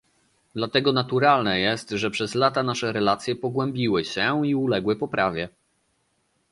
Dlatego naturalne jest, że przez lata nasze relacje pogłębiły się i uległy poprawie